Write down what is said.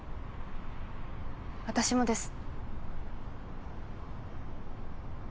私もです。